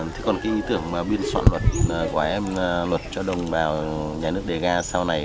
thế còn cái ý tưởng biên soạn luật của em là luật cho đồng vào nhà nước đề ga sau này